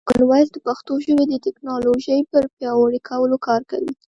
کامن وایس د پښتو ژبې د ټکنالوژۍ پر پیاوړي کولو کار کوي.